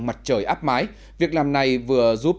mặt trời áp mái việc làm này vừa giúp